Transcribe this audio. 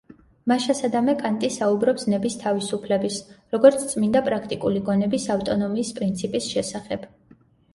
მაშასადამე, კანტი საუბრობს ნების თავისუფლების, როგორც წმინდა პრაქტიკული გონების ავტონომიის პრინციპის შესახებ.